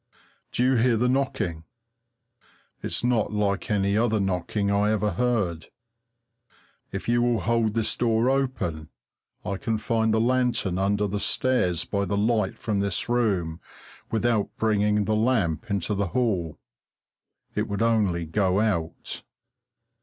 Do you hear the knocking? It's not like any other knocking I ever heard. If you will hold this door open, I can find the lantern under the stairs by the light from this room without bringing the lamp into the hall it would only go out.